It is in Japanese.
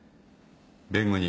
弁護人。